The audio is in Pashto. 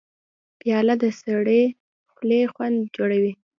پیاله د سړي د خولې خوند جوړوي.